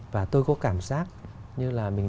và tôi có cảm giác như là mình